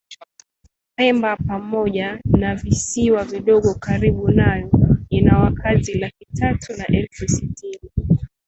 Pemba pamoja na visiwa vidogo karibu nayo ina wakazi laki tatu na elfu sitini